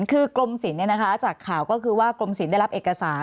คือกรมศิลป์จากข่าวก็คือว่ากรมศิลปได้รับเอกสาร